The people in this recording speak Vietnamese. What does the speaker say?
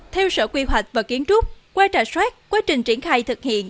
theo sở quy hoạch và kiến trúc qua trả soát quá trình triển khai thực hiện